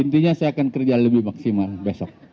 intinya saya akan kerja lebih maksimal besok